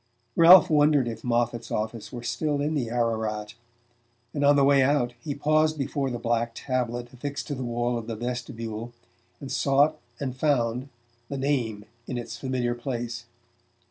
Ralph wondered if Moffatt's office were still in the Ararat; and on the way out he paused before the black tablet affixed to the wall of the vestibule and sought and found the name in its familiar place.